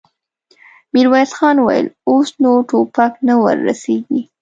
ميرويس خان وويل: اوس نو ټوپک نه ور رسېږي.